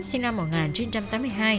sinh năm một nghìn chín trăm tám mươi hai